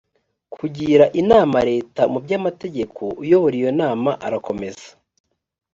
kugira inama leta mu by amategeko uyobora iyo nama arakomeza